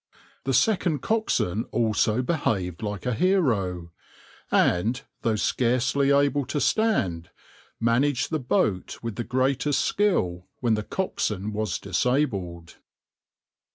The second coxswain also behaved like a hero, and, though scarcely able to stand, managed the boat with the greatest skill when the coxswain was disabled.